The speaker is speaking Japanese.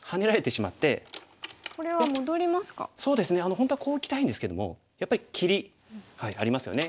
本当はこういきたいんですけどもやっぱり切りありますよね。